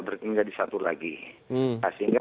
menjadi satu lagi sehingga